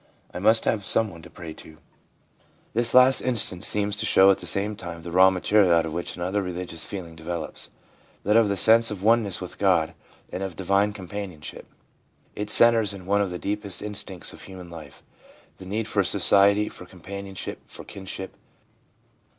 I must have some one to pray to/ This last instance seems to show at the same time the raw material out of which another religious feeling develops, that of the sense of oneness with God, and of Divine Companionship. It centres in one of the deepest instincts of human life, the need for society, for com panionship, for kinship.